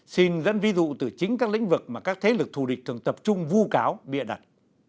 xin dẫn ví dụ từ chính các lĩnh vực mà các thế lực thù địch thường tập trung vu cáo bịa đặt